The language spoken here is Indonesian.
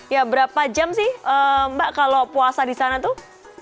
ya berapa jam sih mbak kalau puasa di sana tuh